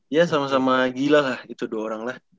ya sama sama gila lah itu dua orang lah